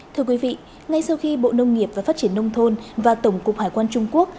thưa quý vị ngay sau khi bộ nông nghiệp và phát triển nông thôn và tổng cục hải quan trung quốc